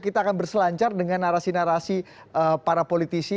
kita akan berselancar dengan narasi narasi para politisi